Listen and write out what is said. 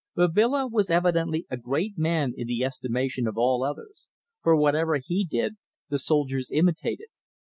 Babila was evidently a great man in the estimation of all others, for whatever he did the soldiers imitated.